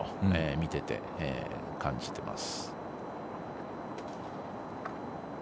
見てて感じています。